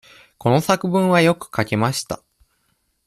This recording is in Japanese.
この作文はとてもよく書けました。